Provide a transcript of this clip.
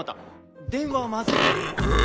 電話はまずいって。